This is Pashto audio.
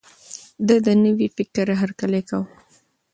ده د نوي فکر هرکلی کاوه.